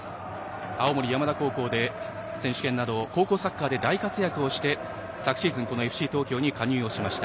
青森山田高校で選手権など高校サッカーで大活躍をして昨シーズンＦＣ東京に加入しました。